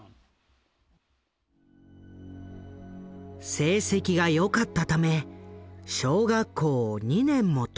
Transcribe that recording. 成績が良かったため小学校を２年も飛び級。